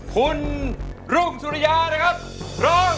คุณรุ่งสุริยานะครับร้อง